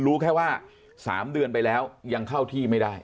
รู้แค่ว่า๓เดือนไปแล้วยังเข้าที่ไม่ได้